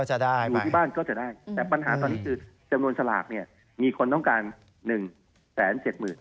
ให้อยู่ที่บ้านก็จะได้แต่ปัญหาสลากซึ่งคนต้องการ๑แสน๗๐๐๐๐